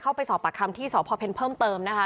เข้าไปสอบปราคมที่สอบรเพิ่มเติมนะคะ